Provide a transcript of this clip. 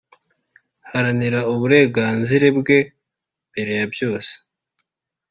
Aharanira uburenganzire bwe mbere ya byose